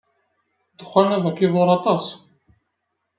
Ddexxan ad k-iḍurr aṭas.